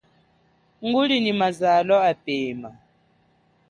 Nguli nyi mazalo apema.